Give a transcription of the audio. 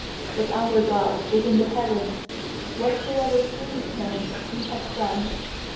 3But our God is in the heavens; Whatsoever pleased Him He hath done.